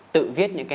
tự viết những cái